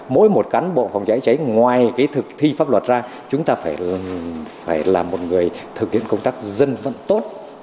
mỗi một cán bộ phòng cháy chữa cháy ngoài thực thi pháp luật ra chúng ta phải làm một người thực hiện công tác dân vận tốt